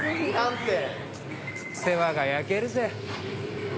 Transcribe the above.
世話が焼けるぜ。